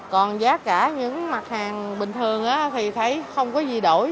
còn giá cả những mặt hàng bình thường thì thấy không có gì đổi